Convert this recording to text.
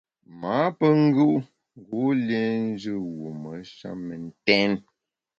M’â pe ngù u ngu lienjù wume sha mentèn.